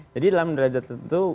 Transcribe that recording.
jadi dalam derajat tentu